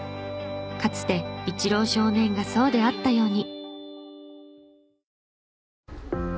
かつてイチロー少年がそうであったように。